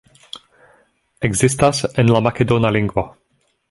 Ekzistas en la makedona lingvo.